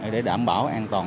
để đảm bảo an toàn